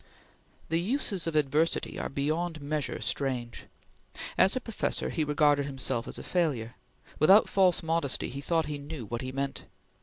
The uses of adversity are beyond measure strange. As a professor, he regarded himself as a failure. Without false modesty he thought he knew what he meant.